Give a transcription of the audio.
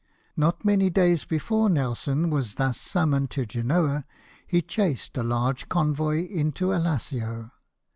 Not many days before Nelson was thus summoned to Genoa he chased a large convoy into Alassio.